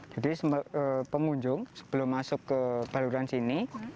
jadi pengunjung sebelum masuk ke baluran sini